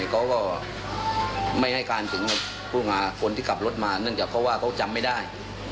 เขาก็ไม่ให้การถึงคนที่ขับรถมาเนื่องจากเขาว่าเขาจำไม่ได้